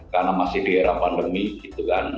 karena masih di era pandemi gitu kan